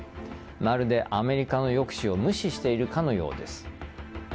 まるで、アメリカの抑止を無視しているかのようです。